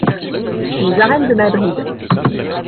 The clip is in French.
Les arènes de Madrid.